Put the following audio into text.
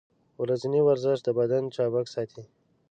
ورځنی ورزش د بدن چابک ساتي.